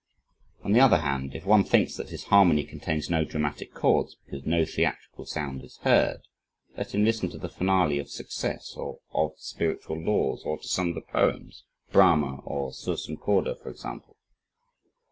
On the other hand, if one thinks that his harmony contains no dramatic chords, because no theatrical sound is heard, let him listen to the finale of "Success," or of "Spiritual Laws," or to some of the poems, "Brahma" or "Sursum Corda," for example.